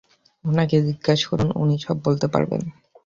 ওনাকে জিজ্ঞেস করুন, উনি সব বলতে পারবেন।